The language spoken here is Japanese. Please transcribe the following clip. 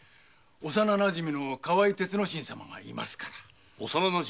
幼なじみの河井鉄之進様がいますから。